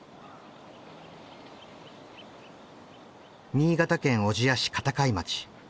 新潟県小千谷市片貝町。